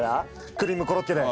クリームコロッケで。